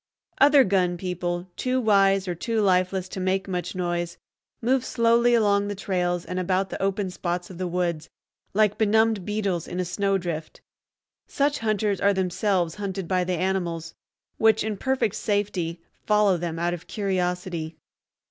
Other gun people, too wise or too lifeless to make much noise, move slowly along the trails and about the open spots of the woods, like benumbed beetles in a snowdrift. Such hunters are themselves hunted by the animals, which in perfect safety follow them out of curiosity.